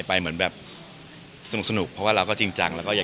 เหมือนแบบสนุกสนุกเพราะว่าเราก็จริงจังแล้วก็อยาก